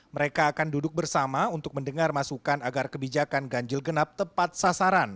mereka akan duduk bersama untuk mendengar masukan agar kebijakan ganjil genap tepat sasaran